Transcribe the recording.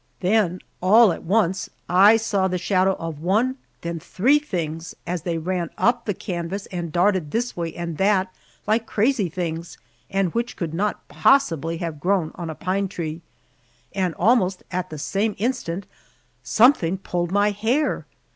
Then all at once I saw the shadow of one, then three, things as they ran up the canvas and darted this way and that like crazy things, and which could not possibly have grown on a pine tree. And almost at the same instant, something pulled my hair!